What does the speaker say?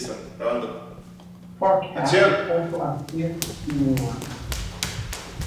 Fur caps also appeared to be worn.